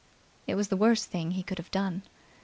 It was the worst thing he could have done.